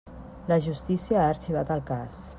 La justícia ha arxivat el cas.